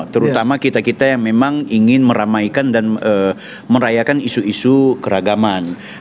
terutama kita kita yang memang ingin meramaikan dan merayakan isu isu keragaman